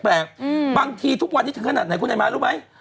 บางทีทุกวันนี้ถึงขนาดไหนคุณไอ้ม้ารู้ไหม